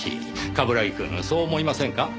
冠城くんそう思いませんか？